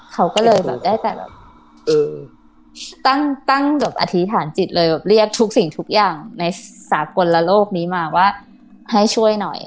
เขาก็เลยแบบได้แต่แบบตั้งแบบอธิษฐานจิตเลยแบบเรียกทุกสิ่งทุกอย่างในสากลโลกนี้มาว่าให้ช่วยหน่อย